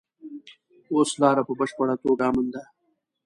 اوس لاره په بشپړه توګه امن ده.